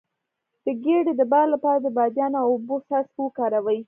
د ګیډې د باد لپاره د بادیان او اوبو څاڅکي وکاروئ